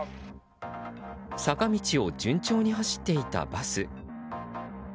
坂道を順調に走っていたバス。